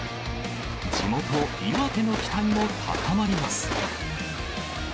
地元、岩手の期待も高まります。